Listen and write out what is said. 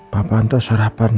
papah ntar sarapan siang